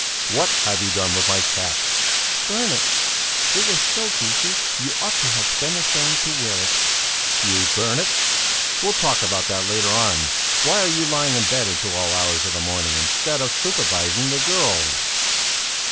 "What have you done with my cap?" "Burnt it! It was so greasy, you ought to have been ashamed to wear it." "You burnt it? We'll talk about that later on! Why are you lying in bed until all hours of the morning, instead of supervising the girls?"